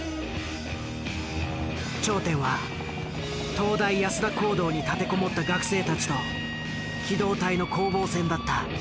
頂点は東大安田講堂に立てこもった学生たちと機動隊の攻防戦だった。